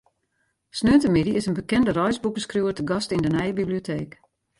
Sneontemiddei is in bekende reisboekeskriuwer te gast yn de nije biblioteek.